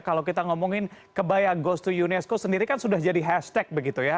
kalau kita ngomongin kebaya ghost to unesco sendiri kan sudah jadi hashtag begitu ya